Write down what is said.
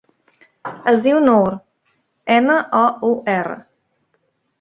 Es diu Nour: ena, o, u, erra.